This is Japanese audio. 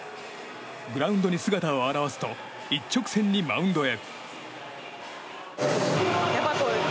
グラウンドに姿を現すと一直線にマウンドへ。